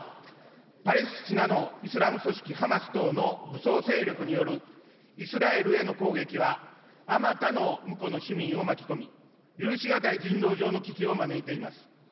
パレスチナのイスラム組織ハマス等の武装勢力によるイスラエルへの攻撃は、あまたのむこの市民を巻き込み、許しがたい人道上の危機を招いています。